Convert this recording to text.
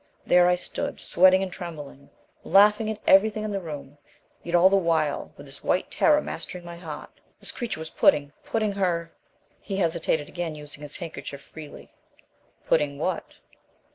There I stood, sweating and trembling, laughing at everything in the room, yet all the while with this white terror mastering my heart. And this creature was putting putting her " He hesitated again, using his handkerchief freely. "Putting what?"